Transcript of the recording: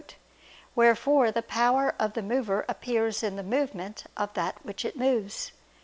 Wherefore the power of the mover appears in the movement of that which it moves.